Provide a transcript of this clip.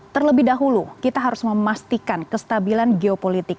terlebih dahulu kita harus memastikan kestabilan geopolitik